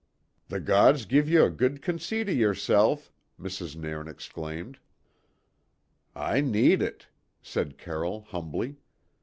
"The gods give ye a good conceit o' yourself!" Mrs. Nairn exclaimed. "I need it," said Carroll humbly.